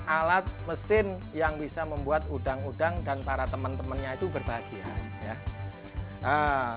alat mesin yang bisa membuat udang udang dan para teman temannya itu berbahagia ya